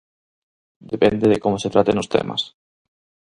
Depende como se traten os temas.